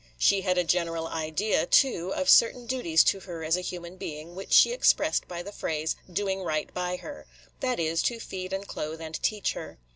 She had a general idea, too, of certain duties to her as a human being, which she expressed by the phrase, "doing right by her," – that is, to feed and clothe and teach her.